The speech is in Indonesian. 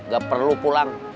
gak perlu pulang